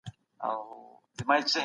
تاسو تېر کال له اړمنو سره مرسته وکړه.